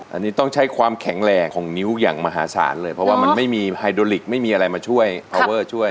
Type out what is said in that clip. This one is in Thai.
อันนี้ต้องใช้ความแข็งแรงของนิ้วอย่างมหาศาลเลยเพราะว่ามันไม่มีไฮโดลิกไม่มีอะไรมาช่วยพาวเวอร์ช่วย